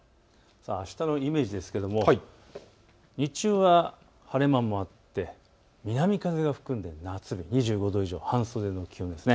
あしたのイメージですが日中は晴れ間もあって南風が吹くので夏日、２５度以上、半袖の気温です。